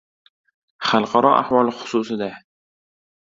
— Xalqaro ahvol xususida!